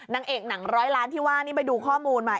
นางเอกหนังร้อยล้านที่ว่านี่ไปดูข้อมูลมา